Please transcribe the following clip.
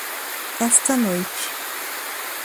Esta noite